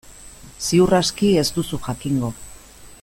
Ziur aski ez duzu jakingo.